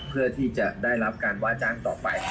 เพื่อที่จะได้รับการว่าจ้างต่อไป